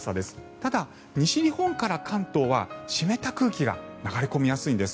ただ、西日本から関東は湿った空気が流れ込みやすいんです。